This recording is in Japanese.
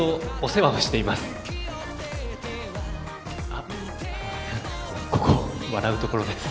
あっここ笑うところです。